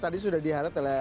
tadi sudah di highlight oleh